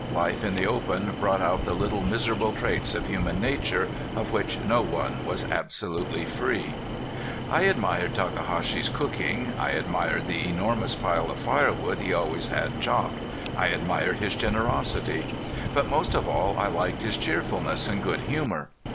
Life in the open brought out the little miserable traits of human nature, of which no one was absolutely free. I admired Takahashi's cooking, I admired the enormous pile of firewood he always had chopped, I admired his generosity; but most of all I liked his cheerfulness and good humor.